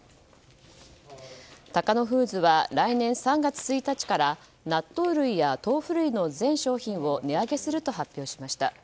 タカノフーズは来年３月１日から納豆類や豆腐類の全商品を値上げすると発表しました。